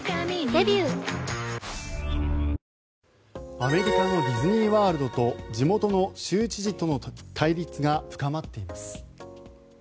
アメリカのディズニー・ワールドと地元の州知事との対立が深まっています。